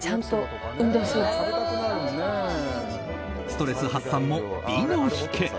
ストレス発散も美の秘訣。